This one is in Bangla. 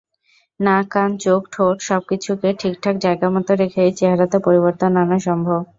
নাক, কান, চোখ, ঠোঁট—সবকিছুকে ঠিকঠাক জায়গামতো রেখেই চেহারাতে পরিবর্তন আনা সম্ভব।